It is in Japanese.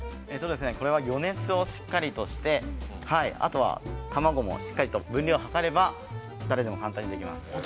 ◆これは予熱をしっかりとして、あとは、卵もしっかりと、分量をはかれば、誰でも簡単にできます。